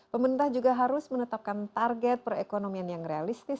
pemerintah juga harus menetapkan target perekonomian yang realistis